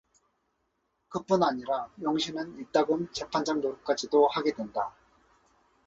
그뿐 아니라 영신은 이따금 재판장 노릇까지도 하게 된다.